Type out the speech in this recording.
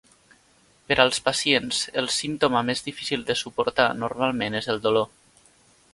Per als pacients, el símptoma més difícil de suportar normalment és el dolor.